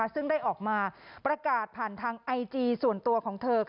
ซึ่งได้ออกมาประกาศผ่านทางไอจีส่วนตัวของเธอ